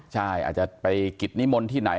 แล้วอันนี้ก็เปิดแล้ว